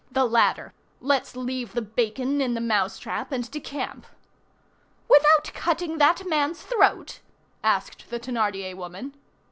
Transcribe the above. The ladder! Let's leave the bacon in the mousetrap and decamp!" "Without cutting that man's throat?" asked, the Thénardier woman.